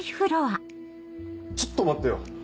ちょっと待ってよ